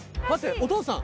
お父さん。